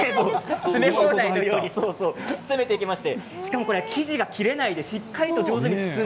詰め放題のように詰めていきます。